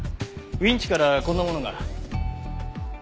ウィンチからこんなものが。